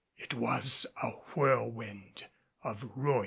It was a whirlwind of ruin.